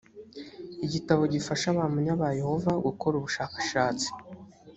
igitabo gifasha abahamya ba yehova gukora ubushakashatsi